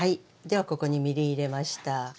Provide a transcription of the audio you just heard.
ではここにみりん入れました。